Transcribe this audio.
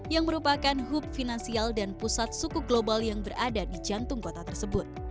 yang merupakan hub finansial dan pusat suku global yang berada di jantung kota tersebut